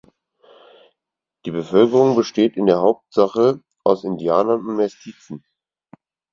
Die Bevölkerung besteht in der Hauptsache aus Indianern und Mestizen.